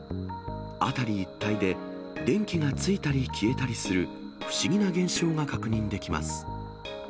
辺り一帯で電気がついたり消えたりする不思議な現象が確認できます。